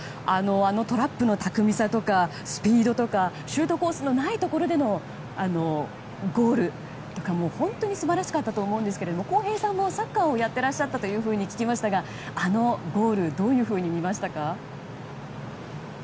あのトラップの巧みさとかスピードとかシュートコースのないところでのゴールとかも本当に素晴らしかったと思うんですが晃平さんもサッカーをやっていらっしゃったと聞きましたがあのゴールどういうふうに見ましたか。